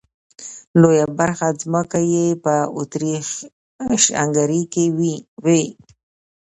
لويه برخه ځمکې یې په اتریش هنګري کې وې.